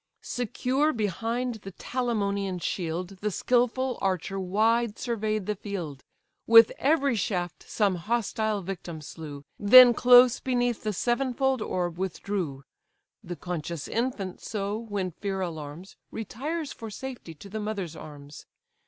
Secure behind the Telamonian shield The skilful archer wide survey'd the field, With every shaft some hostile victim slew, Then close beneath the sevenfold orb withdrew: The conscious infant so, when fear alarms, Retires for safety to the mother's arms.